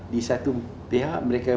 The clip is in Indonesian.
di satu pihak mereka